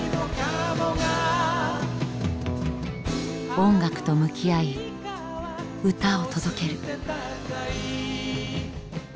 音楽と向き合い歌を届ける。